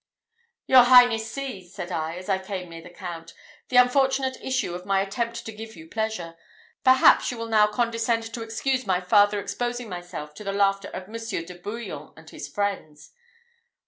"Your Highness sees," said I, as I came near the Count, "the unfortunate issue of my attempt to give you pleasure. Perhaps you will now condescend to excuse my farther exposing myself to the laughter of Monsieur de Bouillon and his friends."